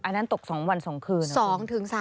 อันนั้นตก๒วัน๒คืน